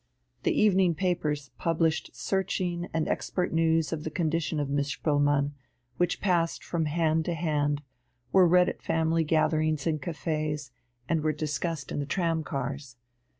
The evening papers published searching and expert news of the condition of Miss Spoelmann, which passed from hand to hand, were read at family gatherings and cafés, and were discussed in the tram cars.